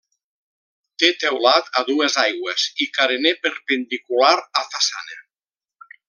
Té teulat a dues aigües i carener perpendicular a façana.